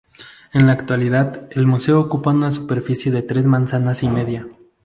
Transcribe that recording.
En la actualidad el Museo ocupa una superficie de tres manzanas y media.